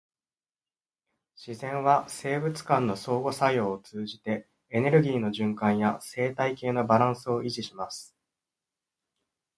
自然は生物間の相互作用を通じて、エネルギーの循環や生態系のバランスを維持します。